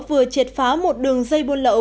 vừa triệt phá một đường dây buôn lậu